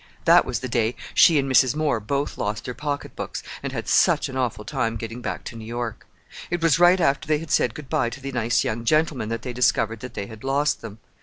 That was the day she and Mrs. Moore both lost their pocketbooks, and had such an awful time getting back to New York. It was right after they had said good bye to the nice young gentleman that they discovered that they had lost them.